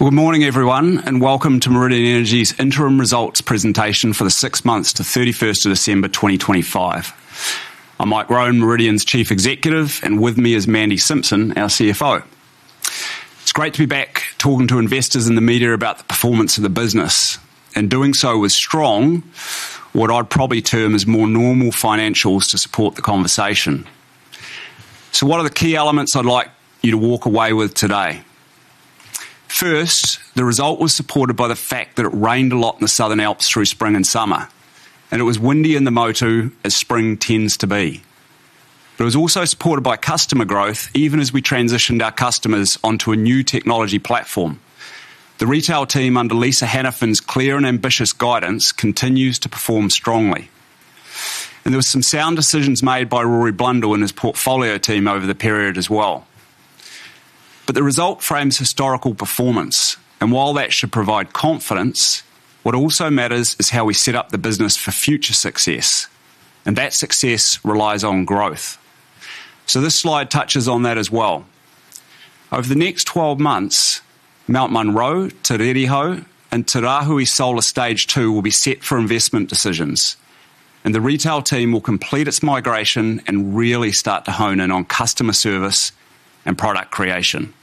Good morning, everyone, welcome to Meridian Energy's interim results presentation for the 6 months to 31st of December, 2025. I'm Mike Roan, Meridian's Chief Executive, and with me is Mandy Simpson, our CFO. It's great to be back talking to investors in the media about the performance of the business, and doing so with strong, what I'd probably term, as more normal financials to support the conversation. What are the key elements I'd like you to walk away with today? First, the result was supported by the fact that it rained a lot in the Southern Alps through spring and summer, and it was windy in the Motu, as spring tends to be. It was also supported by customer growth, even as we transitioned our customers onto a new technology platform. The retail team, under Lisa Hannifin's clear and ambitious guidance, continues to perform strongly. There were some sound decisions made by Rory Blundell and his portfolio team over the period as well. The result frames historical performance, and while that should provide confidence, what also matters is how we set up the business for future success, and that success relies on growth. This slide touches on that as well. Over the next 12 months, Mt Munro, Te Rere Hau, and Te Rahui Solar Farm Stage Two will be set for investment decisions, and the retail team will complete its migration and really start to hone in on customer service and product creation.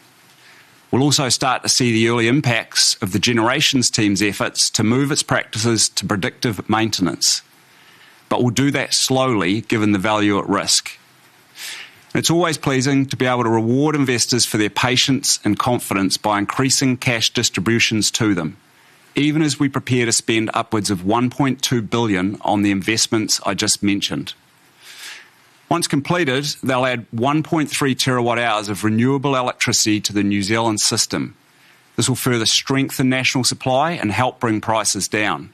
We'll also start to see the early impacts of the generations team's efforts to move its practices to predictive maintenance. We'll do that slowly, given the value at risk. It's always pleasing to be able to reward investors for their patience and confidence by increasing cash distributions to them, even as we prepare to spend upwards of 1.2 billion on the investments I just mentioned. Once completed, they'll add 1.3 TWh of renewable electricity to the New Zealand system. This will further strengthen national supply and help bring prices down.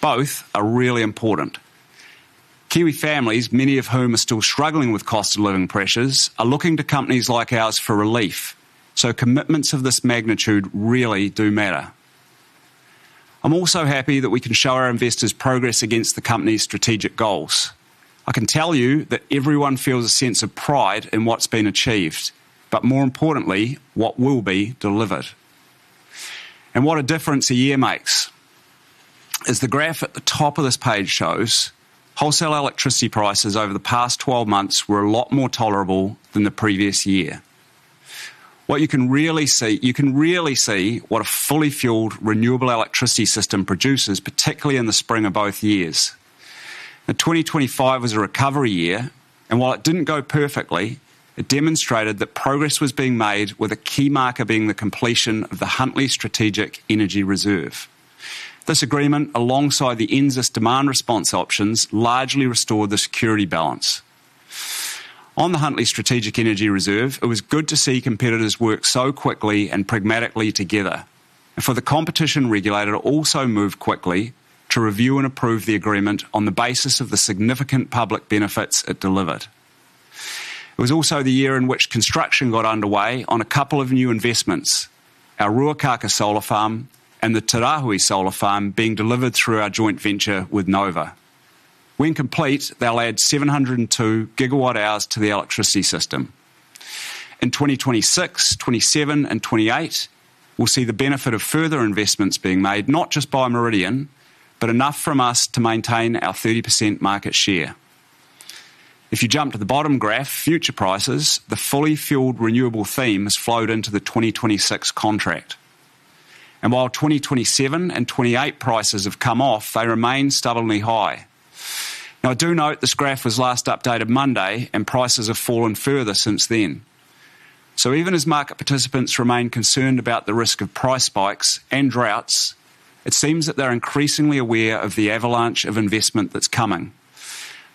Both are really important. Kiwi families, many of whom are still struggling with cost-of-living pressures, are looking to companies like ours for relief. Commitments of this magnitude really do matter. I'm also happy that we can show our investors progress against the company's strategic goals. I can tell you that everyone feels a sense of pride in what's been achieved, but, more importantly, what will be delivered. What a difference a year makes. As the graph at the top of this page shows, wholesale electricity prices over the past 12 months were a lot more tolerable than the previous year. You can really see what a fully fueled, renewable electricity system produces, particularly in the spring of both years. 2025 was a recovery year, while it didn't go perfectly, it demonstrated that progress was being made, with a key marker being the completion of the Huntly Strategic Energy Reserve. This agreement, alongside the NZAS demand response options, largely restored the security balance. On the Huntly Strategic Energy Reserve, it was good to see competitors work so quickly and pragmatically together, for the competition regulator to also move quickly to review and approve the agreement on the basis of the significant public benefits it delivered. It was also the year in which construction got underway on a couple of new investments: our Ruakākā Solar Farm and the Te Rahui Solar Farm being delivered through our joint venture with Nova. When complete, they'll add 702 GWh to the electricity system. In 2026, 2027, and 2028, we'll see the benefit of further investments being made, not just by Meridian, but enough from us to maintain our 30% market share. If you jump to the bottom graph, future prices, the fully fueled renewable theme has flowed into the 2026 contract. While 2027 and 2028 prices have come off, they remain stubbornly high. Now, I do note this graph was last updated Monday, and prices have fallen further since then. Even as market participants remain concerned about the risk of price spikes and droughts, it seems that they're increasingly aware of the avalanche of investment that's coming.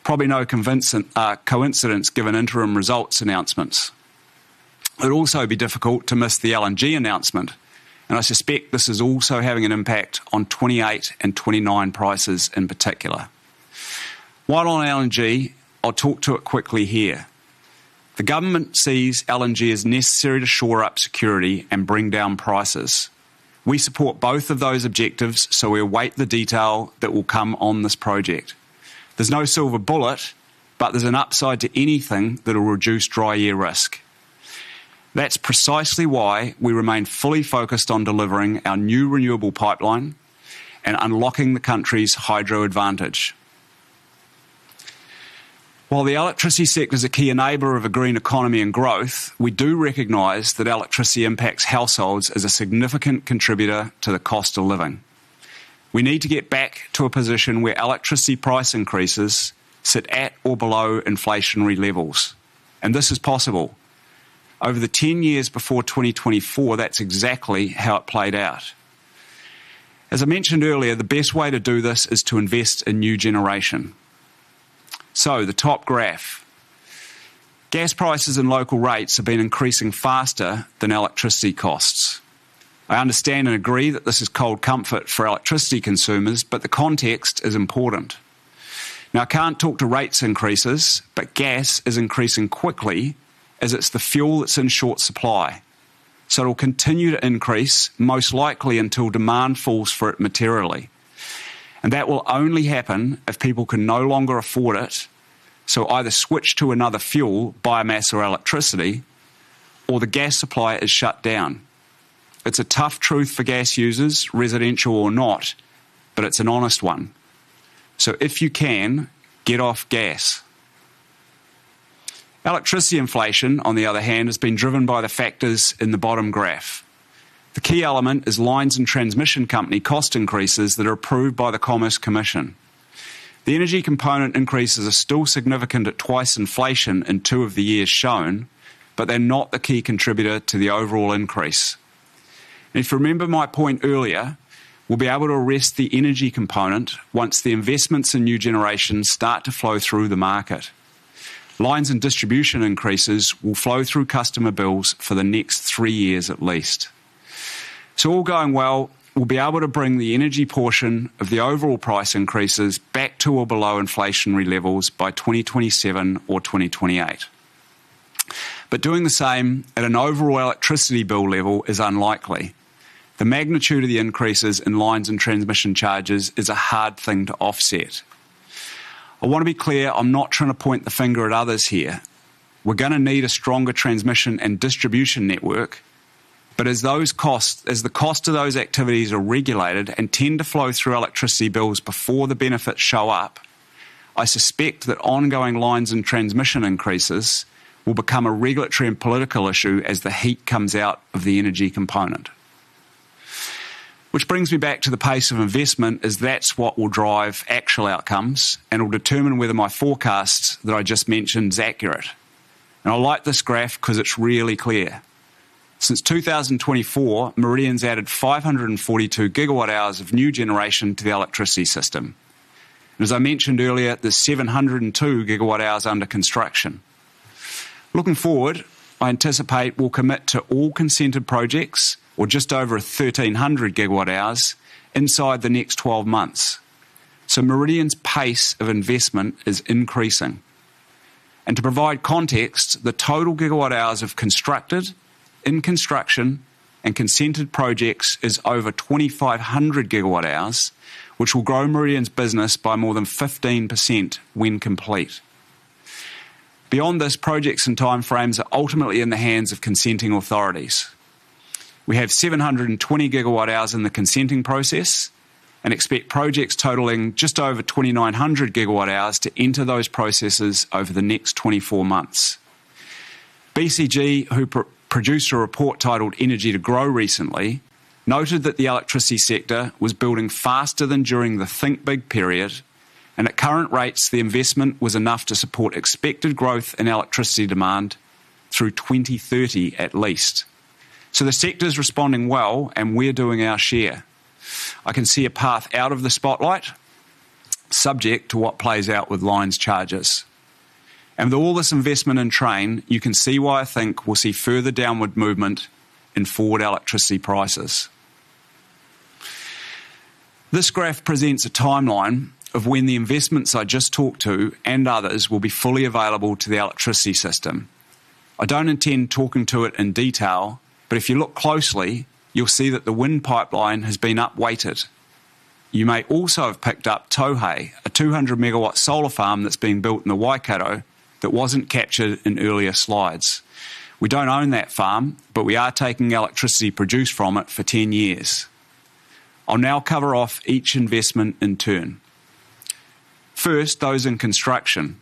Probably no convincing coincidence given interim results announcements. It would also be difficult to miss the LNG announcement, and I suspect this is also having an impact on 28 and 29 prices in particular. On LNG, I'll talk to it quickly here. The government sees LNG as necessary to shore up security and bring down prices. We support both of those objectives. We await the detail that will come on this project. There's no silver bullet. There's an upside to anything that will reduce dry year risk. That's precisely why we remain fully focused on delivering our new renewable pipeline and unlocking the country's hydro advantage. While the electricity sector is a key enabler of a green economy and growth, we do recognize that electricity impacts households as a significant contributor to the cost of living. We need to get back to a position where electricity price increases sit at or below inflationary levels. This is possible. Over the 10 years before 2024, that's exactly how it played out. As I mentioned earlier, the best way to do this is to invest in new generation. The top graph. Gas prices and local rates have been increasing faster than electricity costs. I understand and agree that this is cold comfort for electricity consumers. The context is important. Now, I can't talk to rates increases, but gas is increasing quickly as it's the fuel that's in short supply, so it'll continue to increase, most likely until demand falls for it materially. That will only happen if people can no longer afford it, either switch to another fuel, biomass or electricity, or the gas supply is shut down. It's a tough truth for gas users, residential or not, but it's an honest one. If you can, get off gas. Electricity inflation, on the other hand, has been driven by the factors in the bottom graph. The key element is lines and transmission company cost increases that are approved by the Commerce Commission. The energy component increases are still significant at twice inflation in two of the years shown, but they're not the key contributor to the overall increase. If you remember my point earlier, we'll be able to arrest the energy component once the investments in new generations start to flow through the market. Lines and distribution increases will flow through customer bills for the next three years at least. All going well, we'll be able to bring the energy portion of the overall price increases back to or below inflationary levels by 2027 or 2028. Doing the same at an overall electricity bill level is unlikely. The magnitude of the increases in lines and transmission charges is a hard thing to offset. I want to be clear, I'm not trying to point the finger at others here. We're gonna need a stronger transmission and distribution network, but as the cost of those activities are regulated and tend to flow through electricity bills before the benefits show up, I suspect that ongoing lines and transmission increases will become a regulatory and political issue as the heat comes out of the energy component. Which brings me back to the pace of investment, as that's what will drive actual outcomes and will determine whether my forecast that I just mentioned is accurate. I like this graph because it's really clear. Since 2024, Meridian's added 542 GWh of new generation to the electricity system. As I mentioned earlier, there's 702 GWh under construction. Looking forward, I anticipate we'll commit to all consented projects or just over 1,300 GWh hours inside the next 12 months. Meridian's pace of investment is increasing. To provide context, the total gigawatt hours of constructed, in construction, and consented projects is over 2,500 GWh, which will grow Meridian's business by more than 15% when complete. Beyond this, projects and timeframes are ultimately in the hands of consenting authorities. We have 720 GWh in the consenting process and expect projects totaling just over 2,900 GWh to enter those processes over the next 24 months. BCG, who produced a report titled Energy to Grow recently, noted that the electricity sector was building faster than during the Think Big period, and at current rates, the investment was enough to support expected growth in electricity demand through 2030 at least. The sector is responding well, and we're doing our share. I can see a path out of the spotlight, subject to what plays out with lines charges. With all this investment in train, you can see why I think we'll see further downward movement in forward electricity prices. This graph presents a timeline of when the investments I just talked to and others will be fully available to the electricity system. I don't intend talking to it in detail, but if you look closely, you'll see that the wind pipeline has been upweighted. You may also have picked up Tauhei, a 200 MW solar farm that's been built in the Waikato that wasn't captured in earlier slides. We don't own that farm, but we are taking electricity produced from it for 10 years. I'll now cover off each investment in turn. First, those in construction.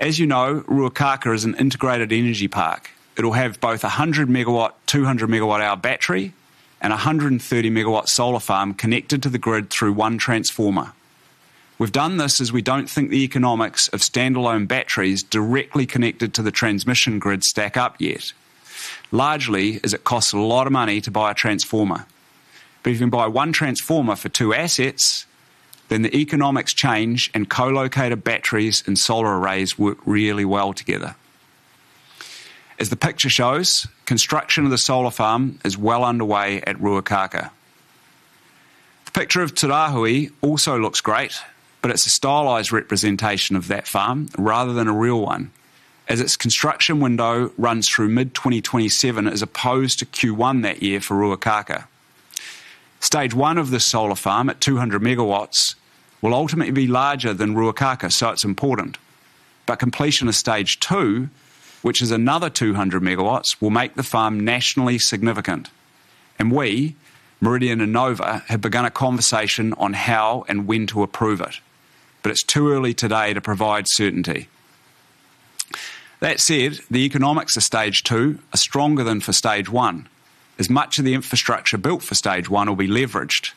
As you know, Ruakākā is an integrated energy park. It'll have both a 100 MWh, 200 MWh battery and a 130 MWh solar farm connected to the grid through 1 transformer. We've done this as we don't think the economics of standalone batteries directly connected to the transmission grid stack up yet, largely as it costs a lot of money to buy a transformer. If you can buy 1 transformer for 2 assets, then the economics change and co-located batteries and solar arrays work really well together. As the picture shows, construction of the solar farm is well underway at Ruakākā. The picture of Tauhei also looks great, but it's a stylized representation of that farm rather than a real one, as its construction window runs through mid-2027, as opposed to Q1 that year for Ruakākā. Stage 1 of the solar farm at 200 MW will ultimately be larger than Ruakākā, so it's important. Completion of stage 2, which is another 200 MW, will make the farm nationally significant. We, Meridian and Nova, have begun a conversation on how and when to approve it, but it's too early today to provide certainty. That said, the economics of stage two are stronger than for stage one, as much of the infrastructure built for stage one will be leveraged,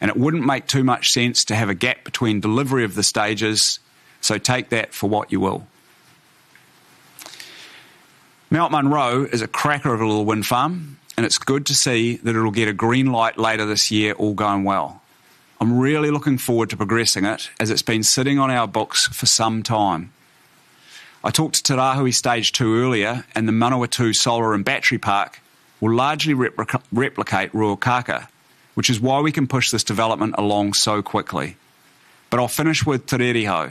it wouldn't make too much sense to have a gap between delivery of the stages. Take that for what you will. Mt Munro is a cracker of a little wind farm, it's good to see that it'll get a green light later this year, all going well. I'm really looking forward to progressing it as it's been sitting on our books for some time. I talked to Te Rahui stage two earlier, the Manawatu Solar and Battery Park will largely replicate Ruakākā, which is why we can push this development along so quickly. I'll finish with Te Rere Hau.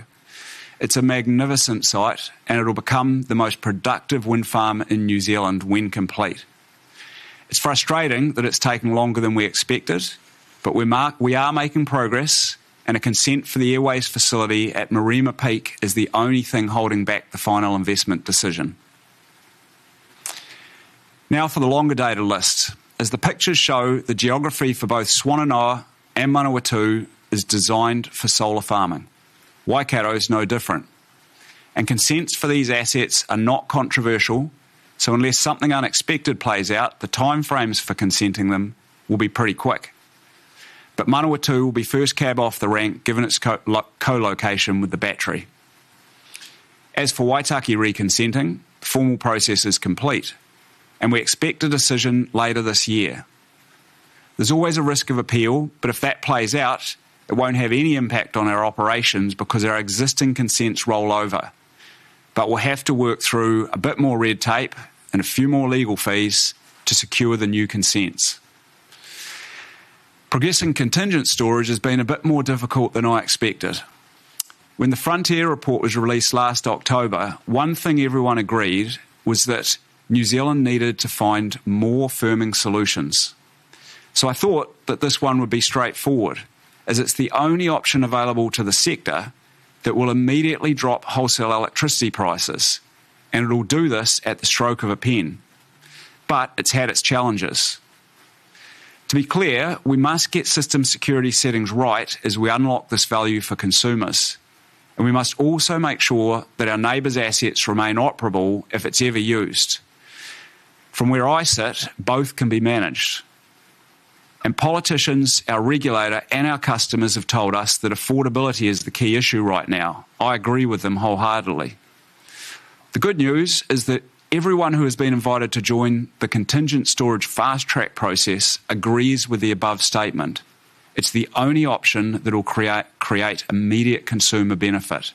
It's a magnificent site, it'll become the most productive wind farm in New Zealand when complete. It's frustrating that it's taking longer than we expected, we are making progress, and a consent for the air waste facility at Marima Peak is the only thing holding back the final investment decision. For the longer data list. As the pictures show, the geography for both Swannanoa and Manawatu is designed for solar farming. Waikato is no different, and consents for these assets are not controversial, so unless something unexpected plays out, the time frames for consenting them will be pretty quick. Manawatu will be first cab off the rank, given its co-location with the battery. As for Waitaki reconsenting, formal process is complete, and we expect a decision later this year. There's always a risk of appeal, but if that plays out, it won't have any impact on our operations because our existing consents roll over. We'll have to work through a bit more red tape and a few more legal fees to secure the new consents. Progressing contingent storage has been a bit more difficult than I expected. When the Frontier report was released last October, one thing everyone agreed was that New Zealand needed to find more firming solutions. I thought that this one would be straightforward, as it's the only option available to the sector that will immediately drop wholesale electricity prices, and it'll do this at the stroke of a pen. It's had its challenges. To be clear, we must get system security settings right as we unlock this value for consumers, and we must also make sure that our neighbor's assets remain operable if it's ever used. From where I sit, both can be managed. Politicians, our regulator, and our customers have told us that affordability is the key issue right now. I agree with them wholeheartedly. The good news is that everyone who has been invited to join the contingent storage fast-track process agrees with the above statement. It's the only option that will create immediate consumer benefit.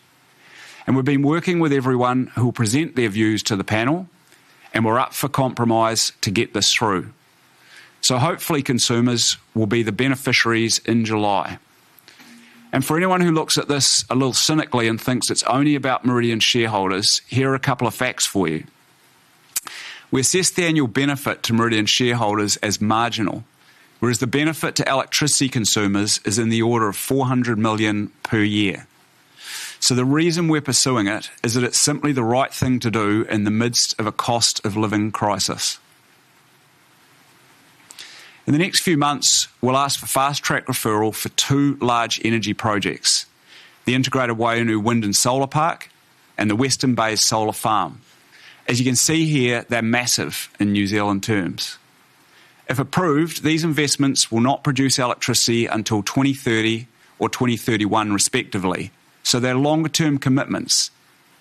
We've been working with everyone who will present their views to the panel, and we're up for compromise to get this through. Hopefully, consumers will be the beneficiaries in July. For anyone who looks at this a little cynically and thinks it's only about Meridian shareholders, here are a couple of facts for you. We assess the annual benefit to Meridian shareholders as marginal, whereas the benefit to electricity consumers is in the order of 400 million per year. The reason we're pursuing it is that it's simply the right thing to do in the midst of a cost of living crisis. In the next few months, we'll ask for Fast-track referral for 2 large energy projects: the integrated Waiinu Energy Park and the Western Bay Solar Farm. As you can see here, they're massive in New Zealand terms. If approved, these investments will not produce electricity until 2030 or 2031, respectively, so they're longer-term commitments,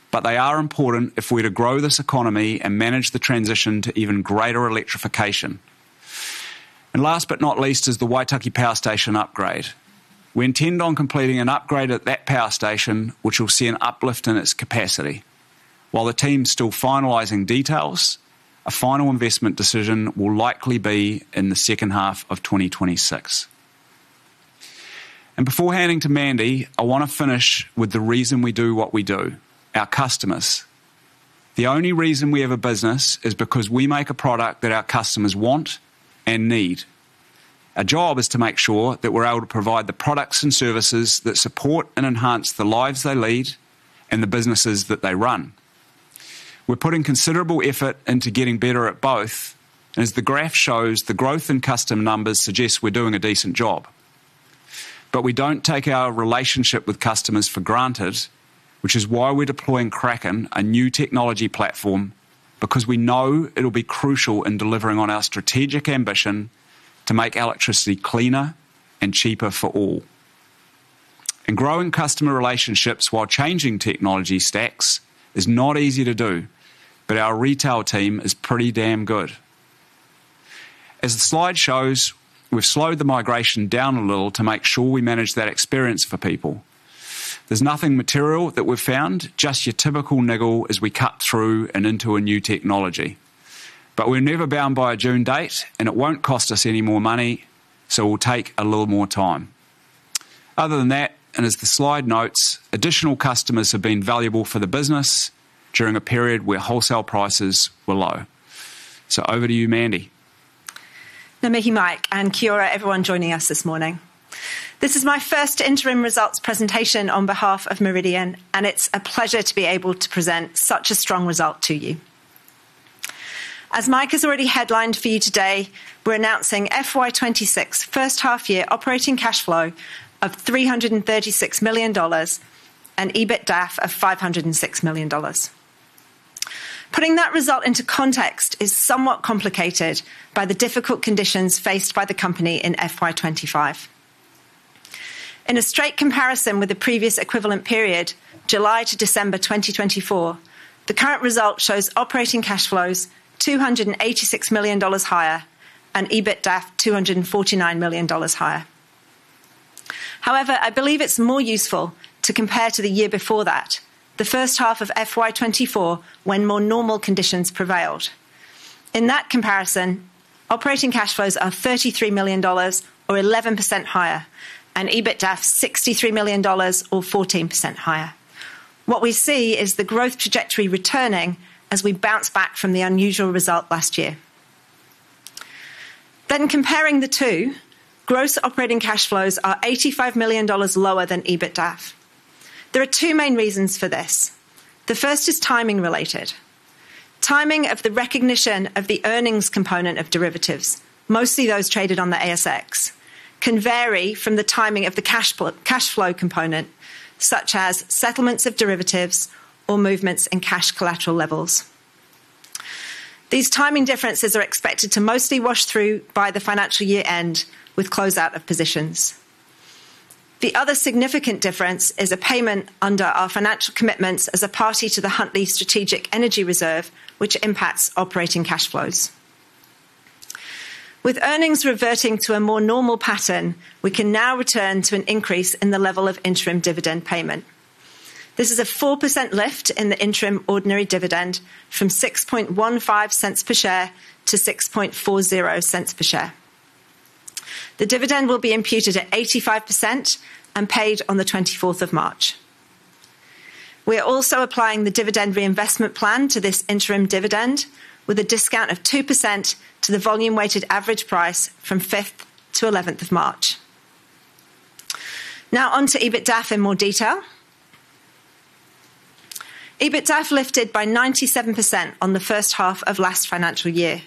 but they are important if we're to grow this economy and manage the transition to even greater electrification. Last but not least, is the Waitaki Power Station upgrade. We intend on completing an upgrade at that power station, which will see an uplift in its capacity. While the team's still finalizing details, a final investment decision will likely be in the second half of 2026. Before handing to Mandy, I wanna finish with the reason we do what we do, our customers. The only reason we have a business is because we make a product that our customers want and need. Our job is to make sure that we're able to provide the products and services that support and enhance the lives they lead and the businesses that they run. We're putting considerable effort into getting better at both, as the graph shows, the growth in customer numbers suggests we're doing a decent job. We don't take our relationship with customers for granted, which is why we're deploying Kraken, a new technology platform, because we know it'll be crucial in delivering on our strategic ambition to make electricity cleaner and cheaper for all. Growing customer relationships while changing technology stacks is not easy to do, but our retail team is pretty damn good. As the slide shows, we've slowed the migration down a little to make sure we manage that experience for people. There's nothing material that we've found, just your typical niggle as we cut through and into a new technology. We're never bound by a June date, and it won't cost us any more money, so we'll take a little more time. Other than that, and as the slide notes, additional customers have been valuable for the business during a period where wholesale prices were low. Over to you, Mandy. Na mihi, Mike, and kia ora, everyone joining us this morning. This is my first interim results presentation on behalf of Meridian, and it's a pleasure to be able to present such a strong result to you. As Mike has already headlined for you today, we're announcing FY 2026 first half year operating cash flow of 336 million dollars and EBITDAF of 506 million dollars. Putting that result into context is somewhat complicated by the difficult conditions faced by the company in FY 2025. In a straight comparison with the previous equivalent period, July to December 2024, the current result shows operating cash flows 286 million dollars higher and EBITDAF 249 million dollars higher. I believe it's more useful to compare to the year before that, the first half of FY 2024, when more normal conditions prevailed. In that comparison, operating cash flows are 33 million dollars or 11% higher, and EBITDAF, 63 million dollars or 14% higher. What we see is the growth trajectory returning as we bounce back from the unusual result last year. Comparing the two, gross operating cash flows are 85 million dollars lower than EBITDAF. There are two main reasons for this. The first is timing-related. Timing of the recognition of the earnings component of derivatives, mostly those traded on the ASX, can vary from the timing of the cash flow component, such as settlements of derivatives or movements in cash collateral levels. These timing differences are expected to mostly wash through by the financial year-end, with closeout of positions. The other significant difference is a payment under our financial commitments as a party to the Huntly Strategic Energy Reserve, which impacts operating cash flows. With earnings reverting to a more normal pattern, we can now return to an increase in the level of interim dividend payment. This is a 4% lift in the interim ordinary dividend from 0.0615 per share to 0.0640 per share. The dividend will be imputed at 85% and paid on the 24th of March. We are also applying the Dividend Reinvestment Plan to this interim dividend, with a discount of 2% to the volume-weighted average price from 5th to 11th of March. On to EBITDAF in more detail. EBITDAF lifted by 97% on the first half of last financial year.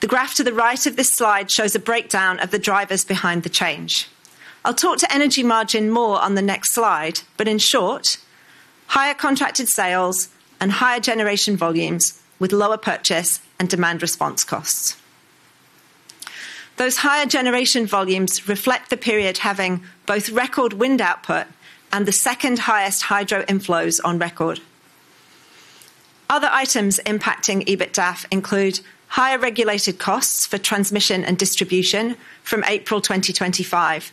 The graph to the right of this slide shows a breakdown of the drivers behind the change. I'll talk to energy margin more on the next slide, but in short, higher contracted sales and higher generation volumes, with lower purchase and demand response costs. Those higher generation volumes reflect the period having both record wind output and the second highest hydro inflows on record. Other items impacting EBITDAF include higher regulated costs for transmission and distribution from April 2025.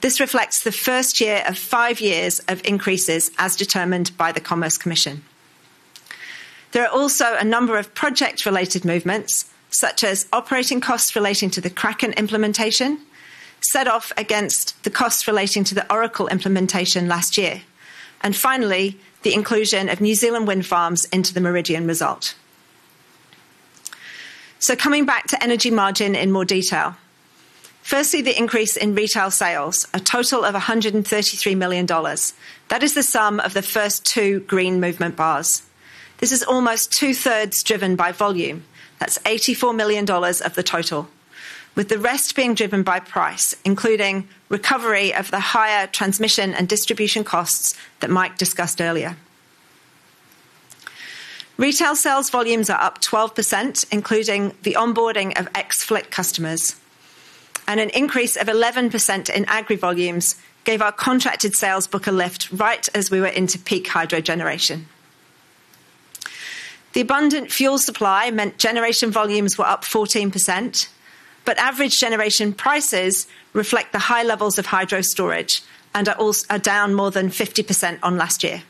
This reflects the first year of 5 years of increases, as determined by the Commerce Commission. There are also a number of project-related movements, such as operating costs relating to the Kraken implementation, set off against the costs relating to the Oracle implementation last year. Finally, the inclusion of New Zealand wind farms into the Meridian result. Coming back to energy margin in more detail. The increase in retail sales, a total of NZD 133 million. That is the sum of the first two green movement bars. This is almost two-thirds driven by volume. That's 84 million dollars of the total, with the rest being driven by price, including recovery of the higher transmission and distribution costs that Mike discussed earlier. Retail sales volumes are up 12%, including the onboarding of ex-Flick customers, an increase of 11% in agri volumes gave our contracted sales book a lift right as we were into peak hydro generation. The abundant fuel supply meant generation volumes were up 14%, average generation prices reflect the high levels of hydro storage, and are down more than 50% on last year.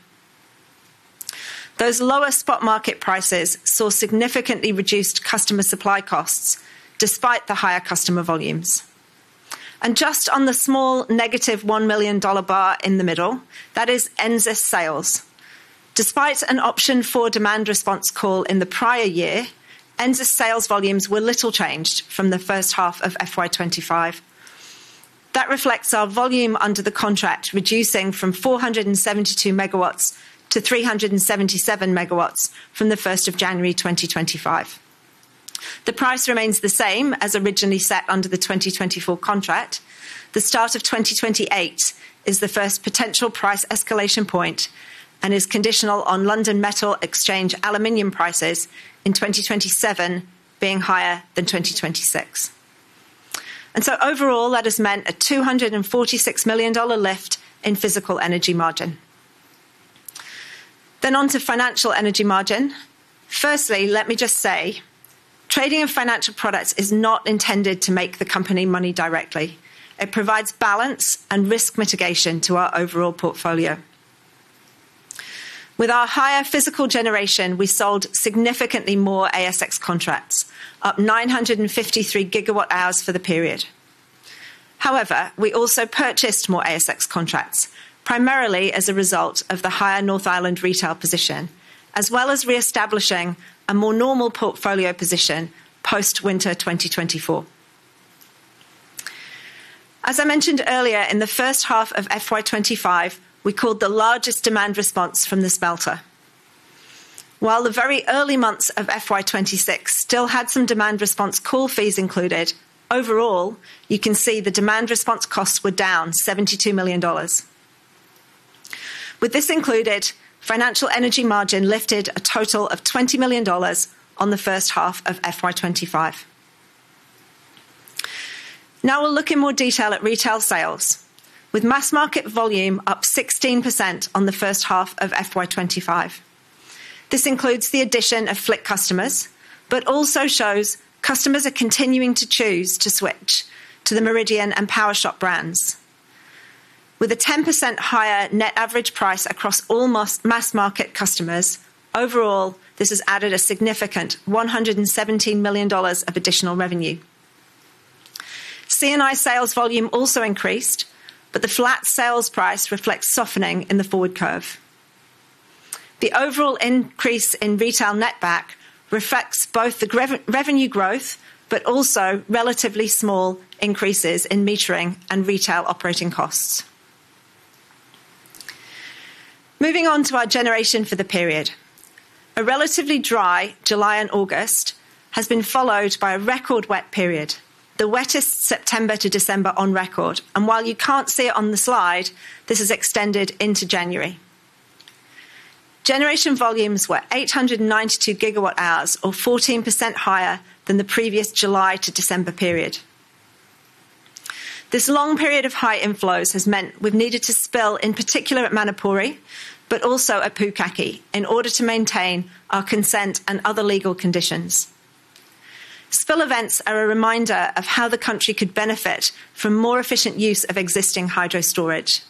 Those lower spot market prices saw significantly reduced customer supply costs, despite the higher customer volumes. Just on the small negative 1 million dollar bar in the middle, that is NZAS sales. Despite an option for demand response call in the prior year, NZAS sales volumes were little changed from the first half of FY 2025. That reflects our volume under the contract, reducing from 472 MW to 377 MW from the first of January 2025. The price remains the same as originally set under the 2024 contract. The start of 2028 is the first potential price escalation point, and is conditional on London Metal Exchange aluminum prices in 2027 being higher than 2026. Overall, that has meant a 246 million dollar lift in physical energy margin. On to financial energy margin. Firstly, let me just say, trading of financial products is not intended to make the company money directly. It provides balance and risk mitigation to our overall portfolio. With our higher physical generation, we sold significantly more ASX contracts, up 953 GWh for the period. We also purchased more ASX contracts, primarily as a result of the higher North Island retail position, as well as reestablishing a more normal portfolio position post-winter 2024. As I mentioned earlier, in the first half of FY 2025, we called the largest demand response from the smelter. While the very early months of FY 2026 still had some demand response call fees included, overall, you can see the demand response costs were down 72 million dollars. With this included, financial energy margin lifted a total of 20 million dollars on the first half of FY 2025. Now we'll look in more detail at retail sales. Mass market volume up 16% on the first half of FY 2025. This includes the addition of Flick customers, but also shows customers are continuing to choose to switch to the Meridian and Powershop brands. A 10% higher net average price across all mass market customers, overall, this has added a significant 117 million dollars of additional revenue. C&I sales volume also increased, but the flat sales price reflects softening in the forward curve. The overall increase in retail netback reflects both the revenue growth, but also relatively small increases in metering and retail operating costs. Moving on to our generation for the period. A relatively dry July and August has been followed by a record wet period, the wettest September to December on record. While you can't see it on the slide, this has extended into January. Generation volumes were 892 GWh or 14% higher than the previous July to December period. This long period of high inflows has meant we've needed to spill, in particular at Manapouri, but also at Pukaki, in order to maintain our consent and other legal conditions. Spill events are a reminder of how the country could benefit from more efficient use of existing hydro storage.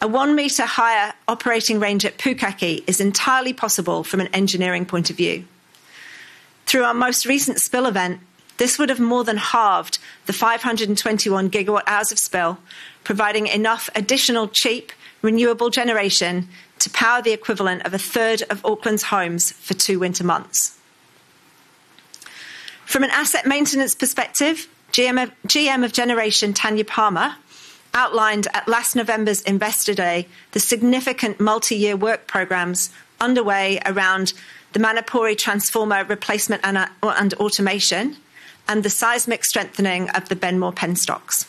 A one-meter higher operating range at Pukaki is entirely possible from an engineering point of view. Through our most recent spill event, this would have more than halved the 521 GWh of spill, providing enough additional cheap, renewable generation to power the equivalent of a third of Auckland's homes for two winter months. From an asset maintenance perspective, GM of Generation, Tania Palmer, outlined at last November's Investor Day, the significant multi-year work programs underway around the Manapouri transformer replacement and automation, and the seismic strengthening of the Benmore penstocks.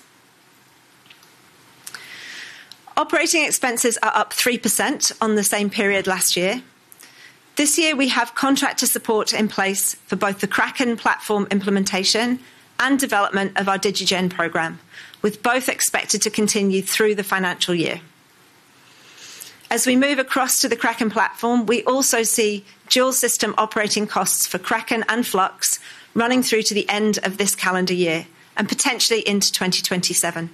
Operating expenses are up 3% on the same period last year. This year, we have contractor support in place for both the Kraken platform implementation and development of our DigiGEN program, with both expected to continue through the financial year. As we move across to the Kraken platform, we also see dual system operating costs for Kraken and Flux running through to the end of this calendar year and potentially into 2027.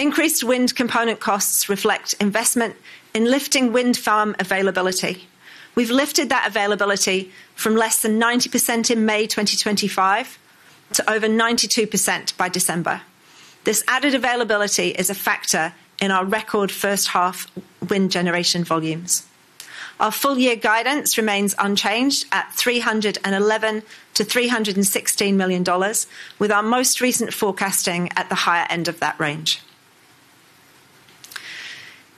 Increased wind component costs reflect investment in lifting wind farm availability. We've lifted that availability from less than 90% in May 2025 to over 92% by December. This added availability is a factor in our record first half wind generation volumes. Our full year guidance remains unchanged at 311 million-316 million dollars, with our most recent forecasting at the higher end of that range.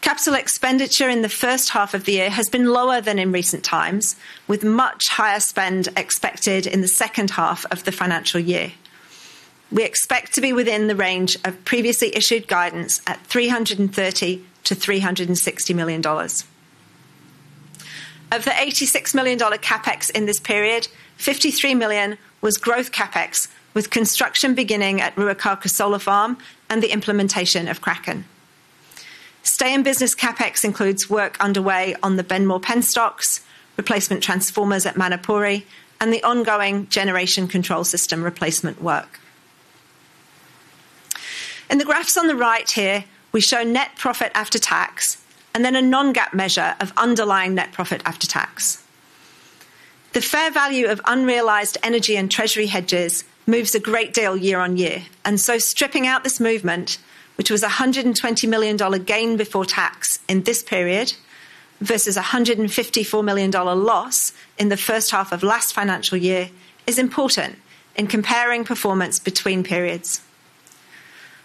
CapEx in the first half of the year has been lower than in recent times, with much higher spend expected in the second half of the financial year. We expect to be within the range of previously issued guidance at 330 million-360 million dollars. Of the 86 million dollar CapEx in this period, 53 million was growth CapEx, with construction beginning at Ruakākā Solar Farm and the implementation of Kraken. Stay in business CapEx includes work underway on the Benmore penstocks, replacement transformers at Manapouri, and the ongoing generation control system replacement work. In the graphs on the right here, we show net profit after tax, and then a non-GAAP measure of underlying net profit after tax. The fair value of unrealized energy and treasury hedges moves a great deal year-on-year. Stripping out this movement, which was an 120 million dollar gain before tax in this period, versus an 154 million dollar loss in the first half of last financial year, is important in comparing performance between periods.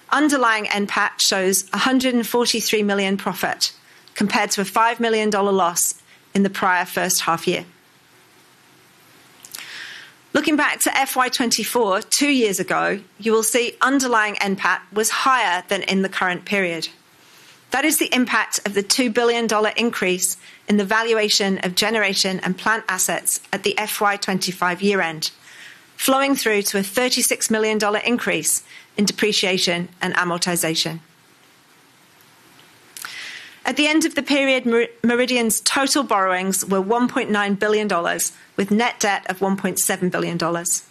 Underlying NPAT shows an 143 million profit, compared to an 5 million dollar loss in the prior first half year. Looking back to FY 2024, two years ago, you will see underlying NPAT was higher than in the current period. That is the impact of the 2 billion dollar increase in the valuation of generation and plant assets at the FY25 year end, flowing through to a 36 million dollar increase in depreciation and amortization. At the end of the period, Meridian's total borrowings were 1.9 billion dollars, with net debt of 1.7 billion dollars.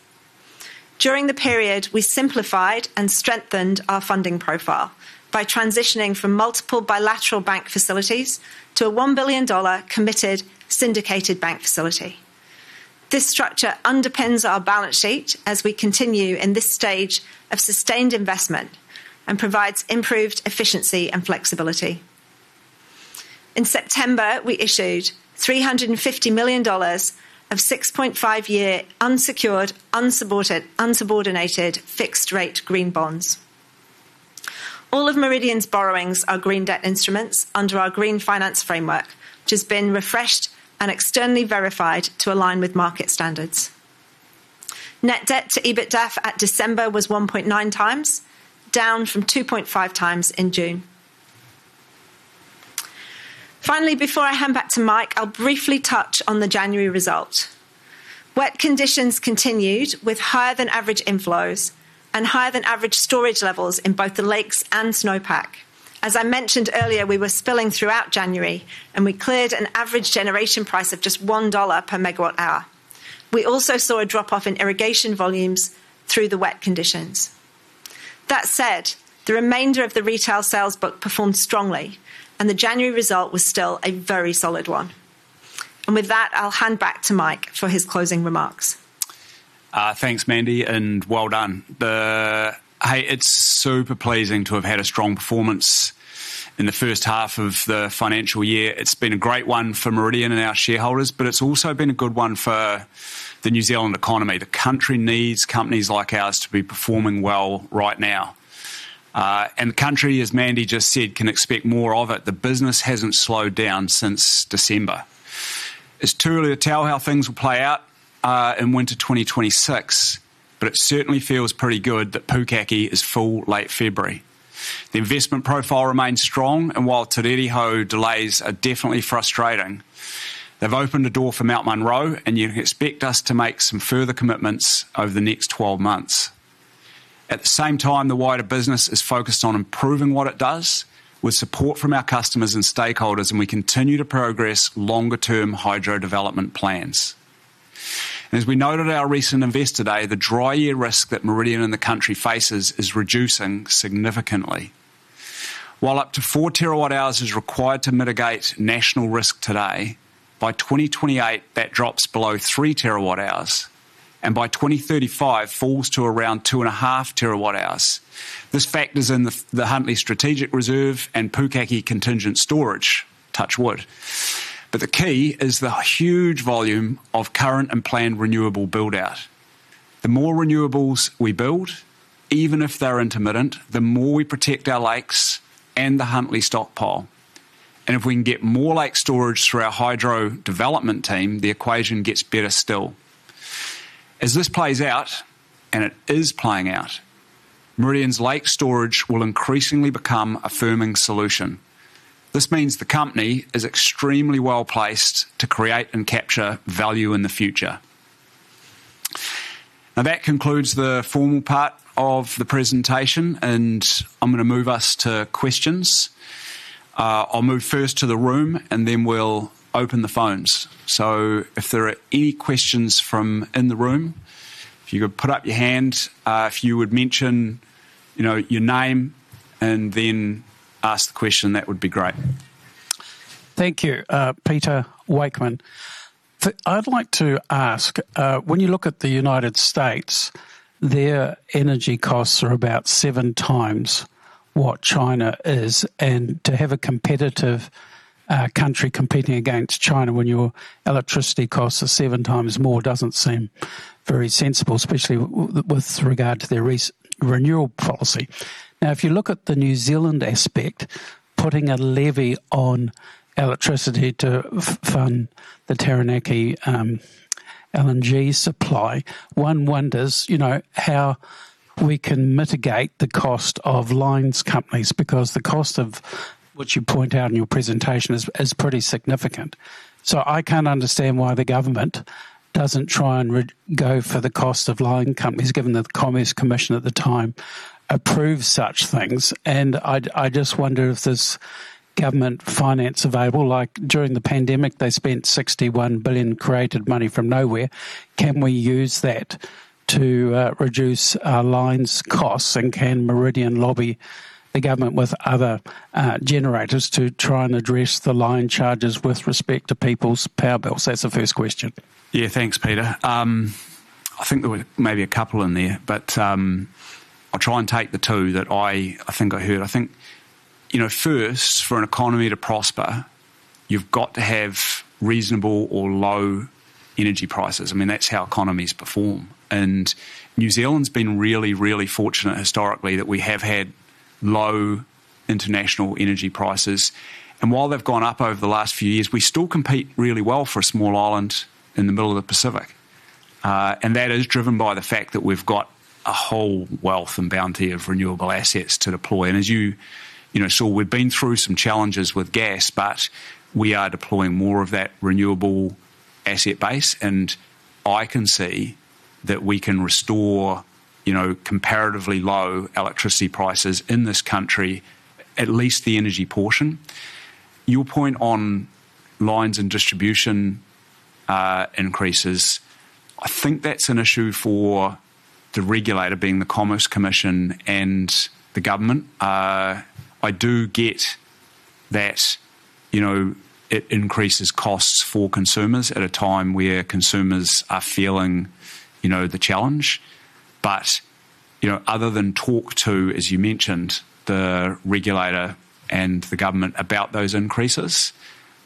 During the period, we simplified and strengthened our funding profile by transitioning from multiple bilateral bank facilities to a 1 billion dollar committed syndicated bank facility. This structure underpins our balance sheet as we continue in this stage of sustained investment, and provides improved efficiency and flexibility. In September, we issued 350 million dollars of 6.5-year unsecured, unsupported, unsubordinated, fixed-rate green bonds. All of Meridian's borrowings are green debt instruments under our Green Finance Framework, which has been refreshed and externally verified to align with market standards. Net debt to EBITDAF at December was 1.9 times, down from 2.5 times in June. Finally, before I hand back to Mike, I'll briefly touch on the January result. Wet conditions continued, with higher than average inflows and higher than average storage levels in both the lakes and snowpack. As I mentioned earlier, we were spilling throughout January. We cleared an average generation price of just 1 dollar per MWh. We also saw a drop-off in irrigation volumes through the wet conditions. That said, the remainder of the retail sales book performed strongly, and the January result was still a very solid one. With that, I'll hand back to Mike for his closing remarks. thanks, Mandy, and well done. Hey, it's super pleasing to have had a strong performance in the first half of the financial year. It's been a great one for Meridian and our shareholders, it's also been a good one for the New Zealand economy. The country needs companies like ours to be performing well right now. The country, as Mandy just said, can expect more of it. The business hasn't slowed down since December. It's too early to tell how things will play out in winter 2026, but it certainly feels pretty good that Pukaki is full late February. The investment profile remains strong, While Te Rere Hau delays are definitely frustrating, they've opened the door for Mount Munro, and you expect us to make some further commitments over the next 12 months. At the same time, the wider business is focused on improving what it does with support from our customers and stakeholders. We continue to progress longer-term hydro development plans. As we noted our recent Investor Day, the dry year risk that Meridian and the country faces is reducing significantly. While up to 4 TWh is required to mitigate national risk today, by 2028, that drops below 3 TWh. By 2035, falls to around 2.5 TWh. This factors in the Huntly Strategic Reserve and Pukaki contingent storage, touch wood. The key is the huge volume of current and planned renewable build-out. The more renewables we build, even if they're intermittent, the more we protect our lakes and the Huntly stockpile. If we can get more lake storage through our hydro development team, the equation gets better still. As this plays out, and it is playing out, Meridian's lake storage will increasingly become a firming solution. This means the company is extremely well-placed to create and capture value in the future. That concludes the formal part of the presentation, and I'm gonna move us to questions. I'll move first to the room, and then we'll open the phones. If there are any questions from in the room, if you could put up your hand, if you would mention, you know, your name and then ask the question, that would be great. Thank you, Peter Wakeman. I'd like to ask, when you look at the United States, their energy costs are about 7 times what China is, to have a competitive country competing against China, when your electricity costs are 7 times more, doesn't seem very sensible, especially with regard to their renewal policy. If you look at the New Zealand aspect, putting a levy on electricity to fund the Taranaki LNG supply, one wonders, you know, how we can mitigate the cost of lines companies, because the cost of what you point out in your presentation is pretty significant. I can't understand why the government doesn't try and go for the cost of line companies, given that the Commerce Commission at the time approved such things. I just wonder if there's government finance available. Like, during the pandemic, they spent $61 billion, created money from nowhere. Can we use that to reduce lines costs? Can Meridian lobby the government with other generators to try and address the line charges with respect to people's power bills? That's the first question. Yeah, thanks, Peter. I think there were maybe a couple in there, but, I'll try and take the two that I think I heard. I think, you know, first, for an economy to prosper, you've got to have reasonable or low energy prices. I mean, that's how economies perform. New Zealand's been really, really fortunate historically, that we have had low international energy prices. While they've gone up over the last few years, we still compete really well for a small island in the middle of the Pacific. That is driven by the fact that we've got a whole wealth and bounty of renewable assets to deploy. As you know, saw, we've been through some challenges with gas, we are deploying more of that renewable asset base, I can see that we can restore, you know, comparatively low electricity prices in this country, at least the energy portion. Your point on lines and distribution increases, I think that's an issue for the regulator, being the Commerce Commission and the government. I do get that, you know, it increases costs for consumers at a time where consumers are feeling, you know, the challenge. you know, other than talk to, as you mentioned, the regulator and the government about those increases,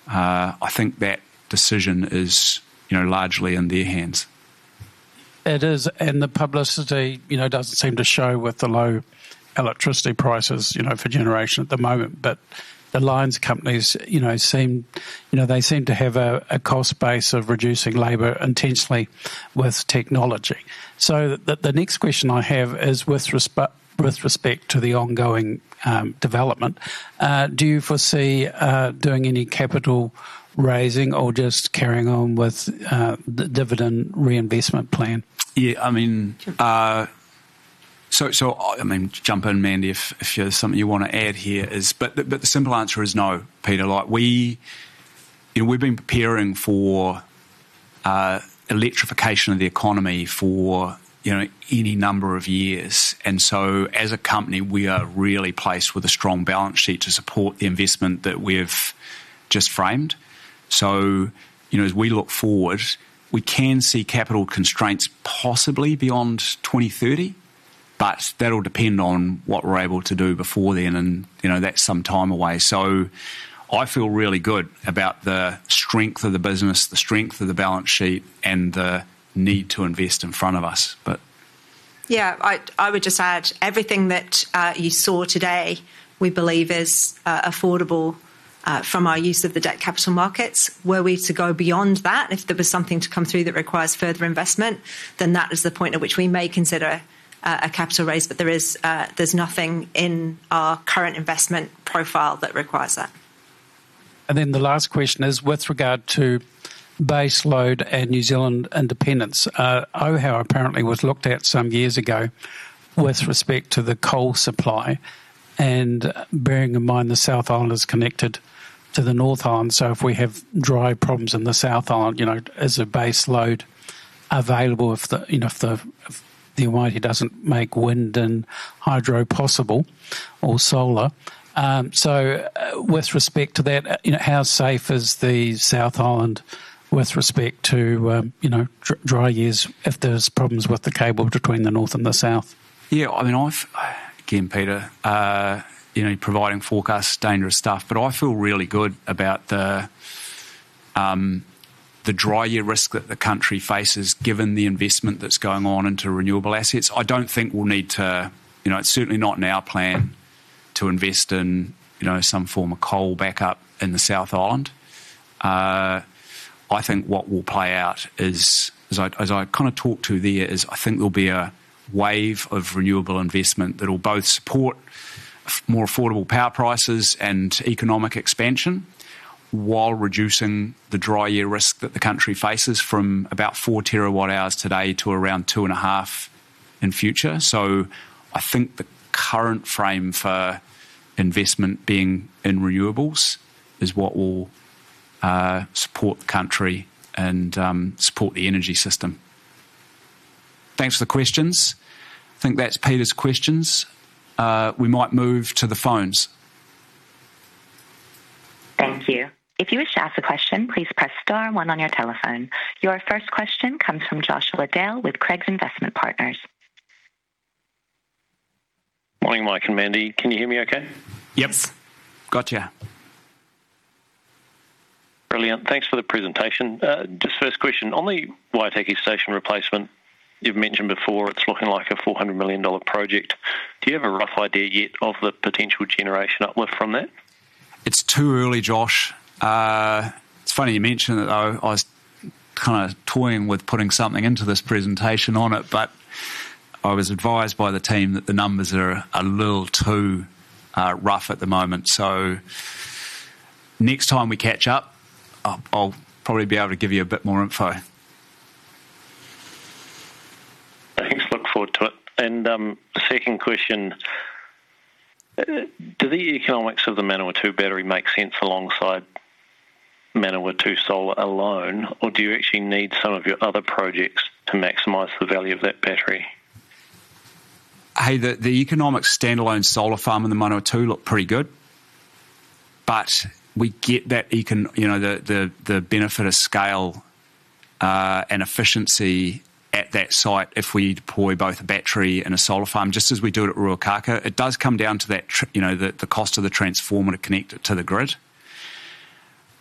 I think that decision is, you know, largely in their hands. It is. The publicity, you know, doesn't seem to show with the low electricity prices, you know, for generation at the moment. The lines companies, you know, seem, you know, they seem to have a cost base of reducing labor intensely with technology. The next question I have is with respect to the ongoing development, do you foresee doing any capital raising or just carrying on with the Dividend Reinvestment Plan? Yeah, I mean, jump in, Mandy, if there's something you wanna add here. The simple answer is no, Peter. Like, we, you know, we've been preparing for electrification of the economy for, you know, any number of years. As a company, we are really placed with a strong balance sheet to support the investment that we've just framed. You know, as we look forward, we can see capital constraints possibly beyond 2030-... That'll depend on what we're able to do before then, and, you know, that's some time away. I feel really good about the strength of the business, the strength of the balance sheet, and the need to invest in front of us, but- Yeah, I would just add, everything that you saw today, we believe is affordable from our use of the debt capital markets. Were we to go beyond that, if there was something to come through that requires further investment, then that is the point at which we may consider a capital raise. There is, there's nothing in our current investment profile that requires that. The last question is with regard to base load and New Zealand independence. Ōhau apparently was looked at some years ago with respect to the coal supply, and bearing in mind, the South Island is connected to the North Island, so if we have dry problems in the South Island, you know, is a base load available if the, you know, if the Wairau doesn't make wind and hydro possible, or solar? So with respect to that, you know, how safe is the South Island with respect to, you know, dry years, if there's problems with the cable between the North and the South? I mean, Again, Peter, you know, providing forecast is dangerous stuff, but I feel really good about the dry year risk that the country faces, given the investment that's going on into renewable assets. I don't think we'll need to. You know, it's certainly not in our plan to invest in, you know, some form of coal backup in the South Island. I think what will play out is, as I kind of talked to there, is I think there'll be a wave of renewable investment that will both support more affordable power prices and economic expansion while reducing the dry year risk that the country faces from about 4 TWh today to around 2.5 in future. I think the current frame for investment being in renewables is what will support the country and support the energy system. Thanks for the questions. I think that's Peter's questions. We might move to the phones. Thank you. If you wish to ask a question, please press star one on your telephone. Your first question comes from Joshua Dale with Craigs Investment Partners. Morning, Mike and Mandy. Can you hear me okay? Yep. Got you. Brilliant. Thanks for the presentation. Just first question. On the Waitaki station replacement, you've mentioned before, it's looking like a 400 million dollar project. Do you have a rough idea yet of the potential generation uplift from that? It's too early, Josh. It's funny you mention it, though. I was kind of toying with putting something into this presentation on it, but I was advised by the team that the numbers are a little too rough at the moment. Next time we catch up, I'll probably be able to give you a bit more info. Thanks. Look forward to it. Second question: Do the economics of the Manawatu battery make sense alongside Manawatu Solar alone, or do you actually need some of your other projects to maximize the value of that battery? The economic standalone solar farm in the Manawatu look pretty good, you know, the, the benefit of scale and efficiency at that site if we deploy both a battery and a solar farm, just as we do it at Ruakākā. It does come down to that, you know, the cost of the transformer to connect it to the grid.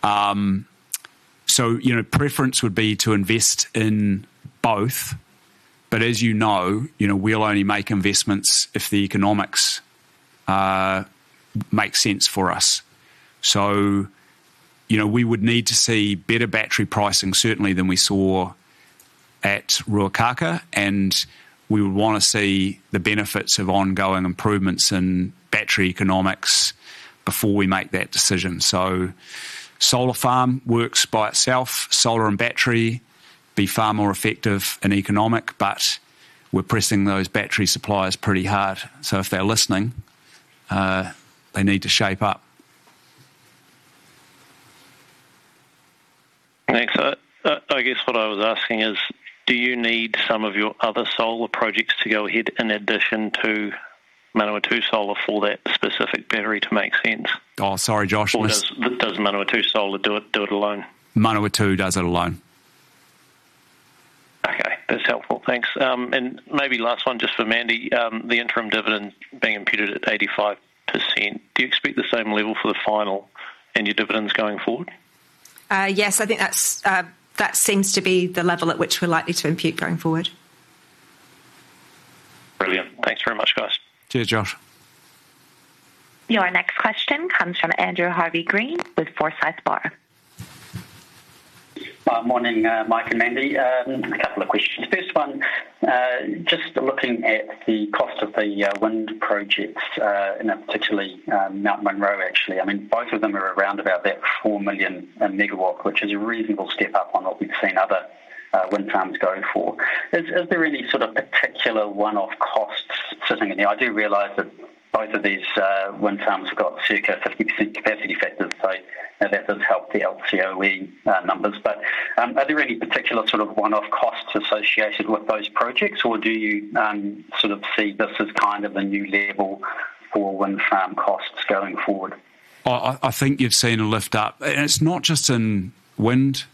You know, preference would be to invest in both, as you know, you know, we'll only make investments if the economics make sense for us. You know, we would need to see better battery pricing, certainly, than we saw at Ruakākā, and we would want to see the benefits of ongoing improvements in battery economics before we make that decision. Solar farm works by itself. Solar and battery, be far more effective and economic, but we're pressing those battery suppliers pretty hard. If they're listening, they need to shape up. Thanks. I guess what I was asking is, do you need some of your other solar projects to go ahead in addition to Manawatu Solar for that specific battery to make sense? Oh, sorry, Josh. Does Manawatu Solar do it alone? Manawatu does it alone. Okay, that's helpful. Thanks. Maybe last one, just for Mandy. The interim dividend being imputed at 85%, do you expect the same level for the final and your dividends going forward? Yes, I think that's, that seems to be the level at which we're likely to impute going forward. Brilliant. Thanks very much, guys. Cheers, Josh. Your next question comes from Andrew Harvey-Green with Forsyth Barr. Morning, Mike and Mandy. A couple of questions. First one, just looking at the cost of the wind projects, in particularly, Mount Munro, actually. I mean, both of them are around about that 4 million a megawatt, which is a reasonable step up on what we've seen other wind farms go for. Is there any sort of particular one-off costs sitting in there? I do realize that both of these wind farms have got circa 50% capacity factors, so that does help the LCOE numbers. Are there any particular sort of one-off costs associated with those projects, or do you sort of see this as kind of a new level for wind farm costs going forward? I think you've seen a lift up, it's not just in wind.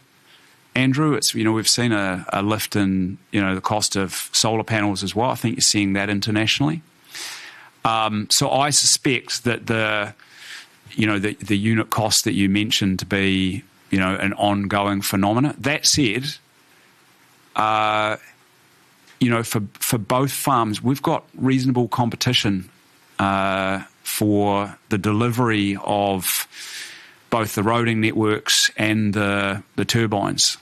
Andrew, it's, you know, we've seen a lift in, you know, the cost of solar panels as well. I think you're seeing that internationally. I suspect that the, you know, the unit cost that you mentioned to be, you know, an ongoing phenomenon. That said, you know, for both farms, we've got reasonable competition for the delivery of both the roading networks and the turbines.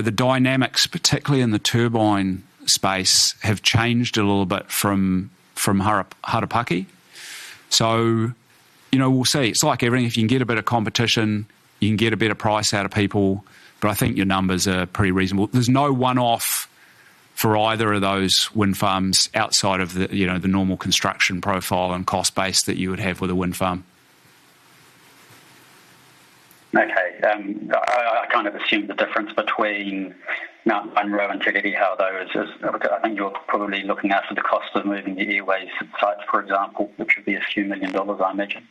The dynamics, particularly in the turbine space, have changed a little bit from Harapaki. You know, we'll see. It's like everything, if you can get a bit of competition, you can get a better price out of people, but I think your numbers are pretty reasonable. There's no one-off for either of those wind farms outside of the, you know, the normal construction profile and cost base that you would have with a wind farm. I kind of assumed the difference between Mt Munro and Te Rere Hau, though, is, I think you're probably looking after the cost of moving the airway sites, for example, which would be a few million NZD, I imagine.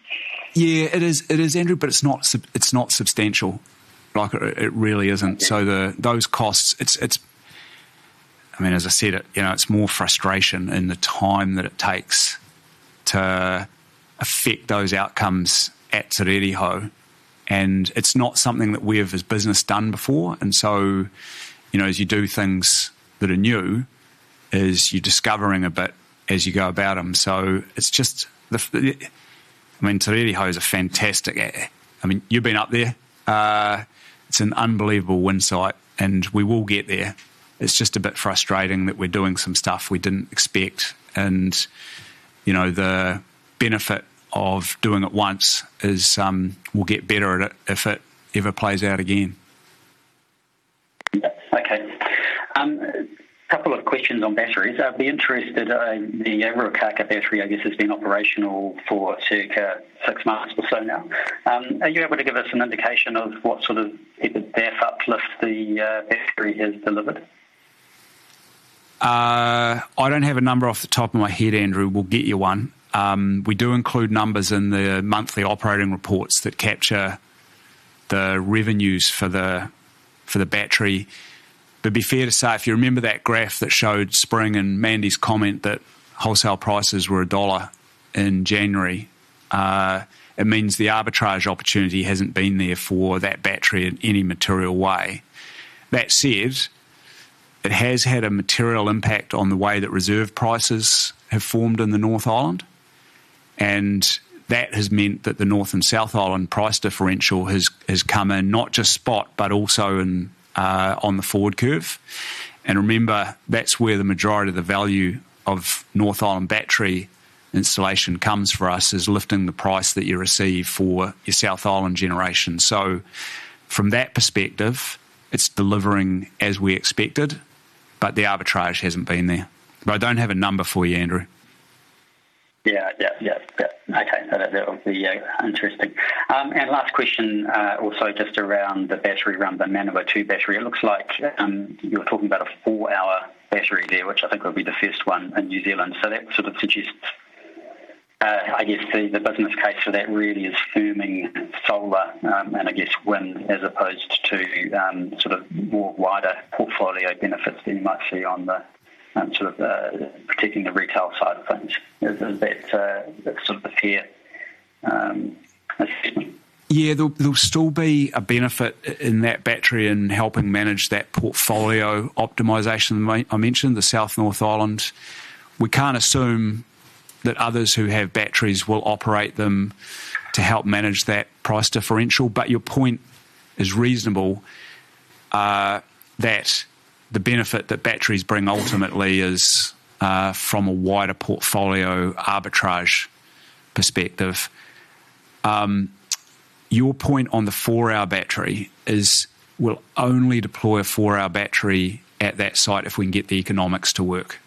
Yeah, it is. It is, Andrew, but it's not substantial. Like, it really isn't. Yeah. The, those costs, it's. I mean, as I said, it, you know, it's more frustration in the time that it takes to affect those outcomes at Te Rere Hau, and it's not something that we have, as a business, done before. You know, as you do things that are new, is you're discovering a bit as you go about them. I mean, Te Rere Hau is a fantastic. I mean, you've been up there. It's an unbelievable wind site, and we will get there. It's just a bit frustrating that we're doing some stuff we didn't expect, and, you know, the benefit of doing it once is, we'll get better at it if it ever plays out again. Okay. A couple of questions on batteries. I'd be interested, the Ruakākā battery, I guess, has been operational for circa six months or so now. Are you able to give us an indication of what sort of EF uplift the battery has delivered? I don't have a number off the top of my head, Andrew. We'll get you one. We do include numbers in the monthly operating reports that capture the revenues for the battery. Be fair to say, if you remember that graph that showed Spring and Mandy's comment that wholesale prices were NZD 1 in January, it means the arbitrage opportunity hasn't been there for that battery in any material way. That said, it has had a material impact on the way that reserve prices have formed in the North Island, and that has meant that the North and South Island price differential has come in, not just spot, but also on the forward curve. Remember, that's where the majority of the value of North Island battery installation comes for us, is lifting the price that you receive for your South Island generation. From that perspective, it's delivering as we expected, but the arbitrage hasn't been there. I don't have a number for you, Andrew. Yeah, yep. Okay, so that will be, yeah, interesting. Last question, also just around the battery, around the Manawatu battery. It looks like you were talking about a 4-hour battery there, which I think will be the first one in New Zealand. So that sort of suggests, I guess, the business case for that really is firming solar, and I guess wind, as opposed to sort of more wider portfolio benefits than you might see on the sort of protecting the retail side of things. Is that sort of a fair assessment? Yeah, there will still be a benefit in that battery in helping manage that portfolio optimization. I mentioned the South, North Island. We can't assume that others who have batteries will operate them to help manage that price differential, but your point is reasonable that the benefit that batteries bring ultimately is from a wider portfolio arbitrage perspective. Your point on the 4-hour battery is, we'll only deploy a 4-hour battery at that site if we can get the economics to work.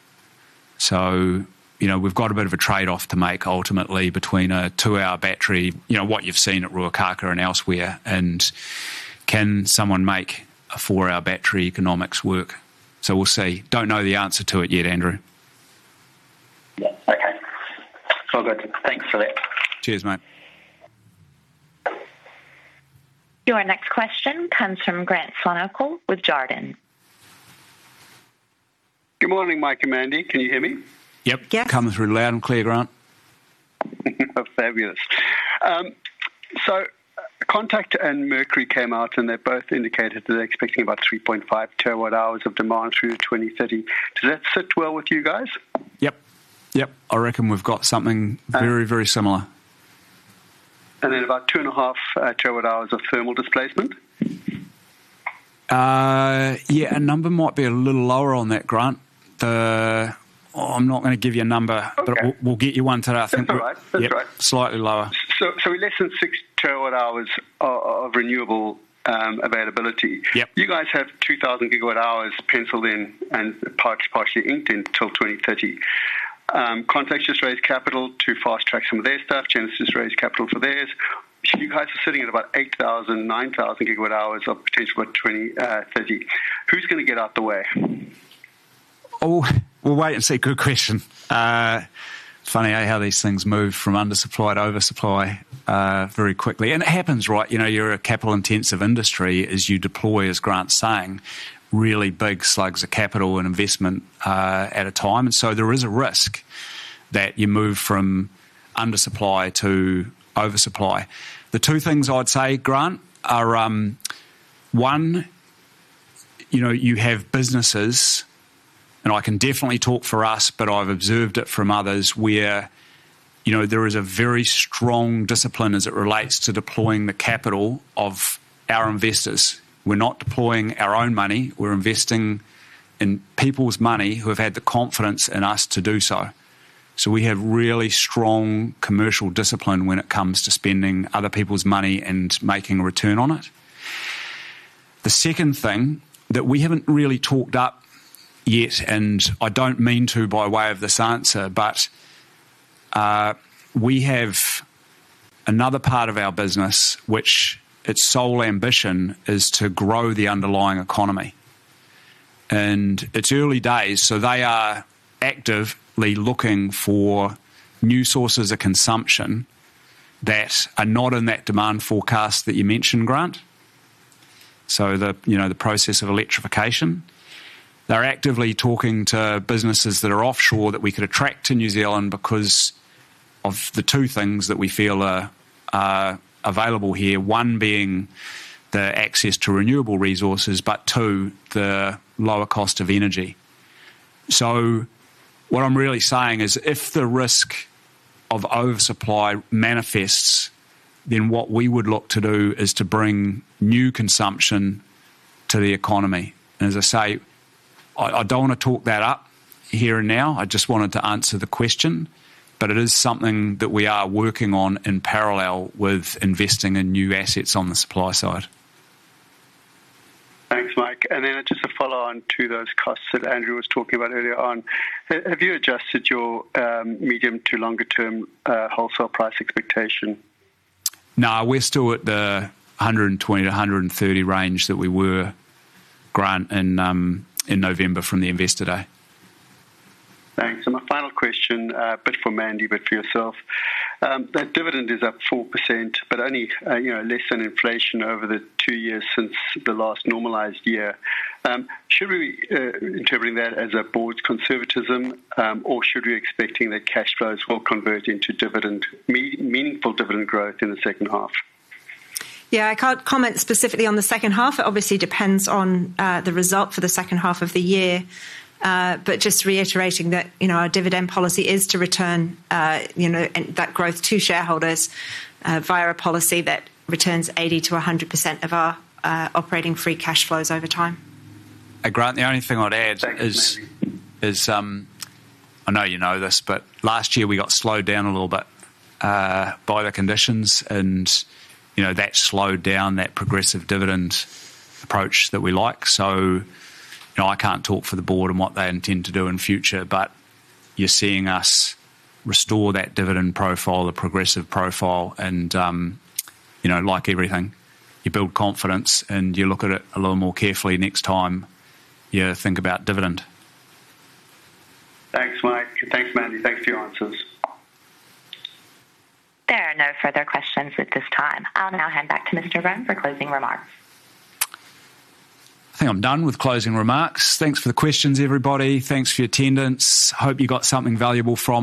You know, we've got a bit of a trade-off to make ultimately between a 2-hour battery, you know, what you've seen at Ruakākā and elsewhere, and can someone make a 4-hour battery economics work? We'll see. Don't know the answer to it yet, Andrew. Yeah, okay. All good. Thanks for that. Cheers, mate. Your next question comes from Grant Swanepoel with Jarden. Good morning, Mike and Mandy. Can you hear me? Yep. Yep. Coming through loud and clear, Grant. Fabulous. Contact Energy and Mercury NZ Limited came out, and they both indicated that they're expecting about 3.5 TWh of demand through to 2030. Does that sit well with you guys? Yep. Yep, I reckon we've got. And- very, very similar. about 2.5 TWh of thermal displacement? Yeah, our number might be a little lower on that, Grant. I'm not going to give you a number. Okay. We'll get you one today, I think. That's all right. That's great. Yep, slightly lower. In less than 6 TWh of renewable availability? Yep. You guys have 2,000 GWh penciled in and partially inked in until 2030. Contact just raised capital to fast-track some of their stuff. Genesis raised capital for theirs. You guys are sitting at about 8,000-9,000 GWh of potential by 2030. Who's going to get out the way? Oh, we'll wait and see. Good question. Funny how these things move from undersupply to oversupply very quickly, and it happens, right? You know, you're a capital-intensive industry as you deploy, as Grant's saying, really big slugs of capital and investment at a time. There is a risk that you move from undersupply to oversupply. The two things I'd say, Grant, are, one, you know, you have businesses, and I can definitely talk for us, but I've observed it from others, where, you know, there is a very strong discipline as it relates to deploying the capital of our investors. We're not deploying our own money. We're investing in people's money who have had the confidence in us to do so. We have really strong commercial discipline when it comes to spending other people's money and making a return on it. The second thing that we haven't really talked up yet, I don't mean to, by way of this answer, but, we have another part of our business which its sole ambition is to grow the underlying economy. It's early days, so they are actively looking for new sources of consumption that are not in that demand forecast that you mentioned, Grant. The, you know, the process of electrification. They're actively talking to businesses that are offshore that we could attract to New Zealand because of the two things that we feel are available here, one being the access to renewable resources, but two, the lower cost of energy. What I'm really saying is, if the risk of oversupply manifests, then what we would look to do is to bring new consumption to the economy. As I say, I don't want to talk that up here and now. I just wanted to answer the question, but it is something that we are working on in parallel with investing in new assets on the supply side. Thanks, Mike. Just a follow-on to those costs that Andrew was talking about earlier on. Have you adjusted your medium to longer-term wholesale price expectation? No, we're still at the 120-130 range that we were, Grant, in November from the Investor Day. Thanks. My final question, bit for Mandy, but for yourself. That dividend is up 4%, but only, you know, less than inflation over the two years since the last normalized year. Should we be interpreting that as a board conservatism, or should we be expecting that cash flows will convert into dividend, meaningful dividend growth in the second half? I can't comment specifically on the second half. It obviously depends on the result for the second half of the year. Just reiterating that, you know, our dividend policy is to return, you know, that growth to shareholders via a policy that returns 80% to 100% of our operating free cash flows over time. Grant, the only thing I'd. Thanks, Mandy. is, I know you know this, but last year we got slowed down a little bit, by the conditions and, you know, that slowed down that progressive dividend approach that we like. You know, I can't talk for the board and what they intend to do in future, but you're seeing us restore that dividend profile, the progressive profile, and, you know, like everything, you build confidence and you look at it a little more carefully next time you think about dividend. Thanks, Mike. Thanks, Mandy. Thanks for your answers. There are no further questions at this time. I'll now hand back to Mike Roan for closing remarks. I think I'm done with closing remarks. Thanks for the questions, everybody. Thanks for your attendance. Hope you got something valuable from it.